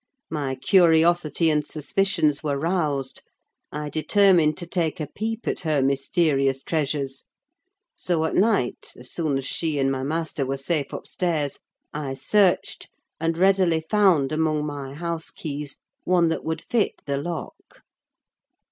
My curiosity and suspicions were roused; I determined to take a peep at her mysterious treasures; so, at night, as soon as she and my master were safe upstairs, I searched, and readily found among my house keys one that would fit the lock.